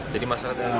jadi masalah tersebut